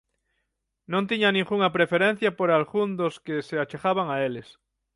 Non tiñan ningunha preferencia por algún dos que se achegaban a eles.